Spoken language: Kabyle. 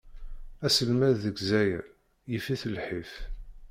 Aselmed deg Zzayer, yif-it lḥif.